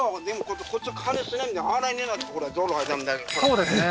そうですね